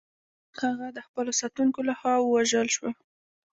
هغه د خپلو ساتونکو لخوا ووژل شوه.